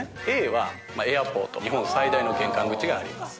Ａはエアポート、日本最大の玄関口があります。